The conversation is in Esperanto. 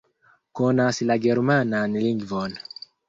Konas la germanan lingvon.